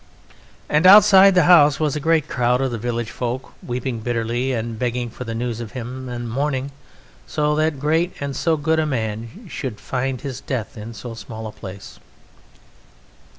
And outside the house was a great crowd of the village folk, weeping bitterly and begging for news of him, and mourning that so great and so good a man should find his death in so small a place.